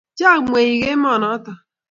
chang mweik emonoto